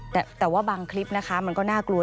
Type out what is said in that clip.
แต่ว่าบางคลิปนะคะมันก็น่ากลัว